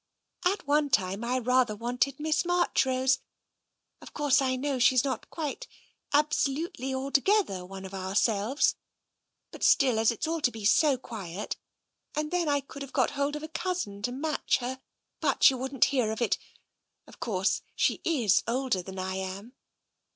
" At one time, I rather wanted Miss Marchrose. Of course, I know she's not quite, absolutely, altogether one of ourselves — but still, as it's all to be so quiet — and then I could have got hold of a cousin to match her — but she wouldn't hear of it. Of course, she is older than I am."